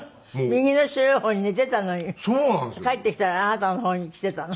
右の白い方に寝てたのに帰ってきたらあなたの方に来てたの？